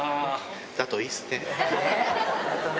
だといいっすね。